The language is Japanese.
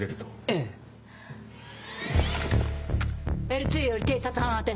Ｌ２より偵察班宛て。